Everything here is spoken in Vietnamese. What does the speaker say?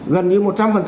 gần như một trăm linh